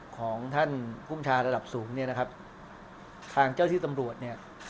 ของท่านภูมิชาระดับสูงเนี่ยนะครับทางเจ้าที่ตำรวจเนี่ย